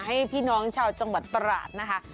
ให้พี่น้องเจ้าจังหวัดตระหลาดนะคะ